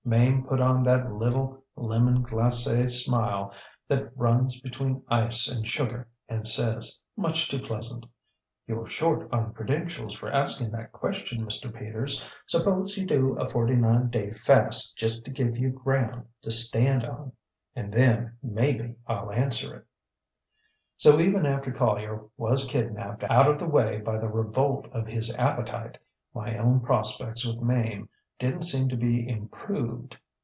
Mame put on that little lemon glac├® smile that runs between ice and sugar, and says, much too pleasant: ŌĆśYouŌĆÖre short on credentials for asking that question, Mr. Peters. Suppose you do a forty nine day fast, just to give you ground to stand on, and then maybe IŌĆÖll answer it. ŌĆÖ ŌĆ£So, even after Collier was kidnapped out of the way by the revolt of his appetite, my own prospects with Mame didnŌĆÖt seem to be improved.